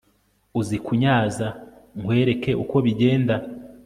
uzi kunyaza nkwereke uko bigenda